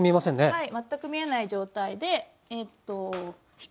はい。